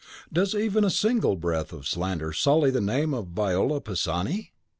Does even a single breath of slander sully the name of Viola Pisani?"